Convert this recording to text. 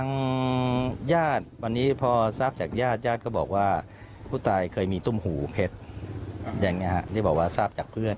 ญาติวันนี้พอทราบจากญาติญาติก็บอกว่าผู้ตายเคยมีตุ้มหูเพชรอย่างนี้ที่บอกว่าทราบจากเพื่อน